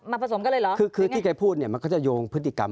ผสมกันเลยเหรอคือคือที่แกพูดเนี่ยมันก็จะโยงพฤติกรรม